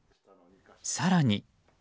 更に。